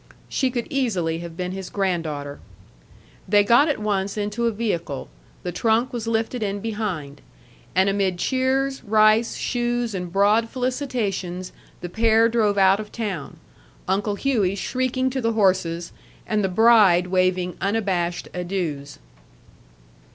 She could easily have been his granddaughter. They got at once into a vehicle. The trunk was lifted in behind. And amid cheers, rice, shoes, and broad felicitations, the pair drove out of town, Uncle Hughey shrieking to the horses and the bride waving unabashed adieus.